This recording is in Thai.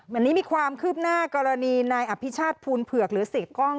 วันนี้มีความคืบหน้ากรณีนายอภิชาติภูลเผือกหรือเสียกล้อง